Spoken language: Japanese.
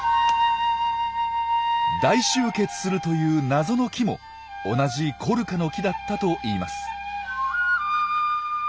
大集結するという謎の木も同じコルカの木だったといいます。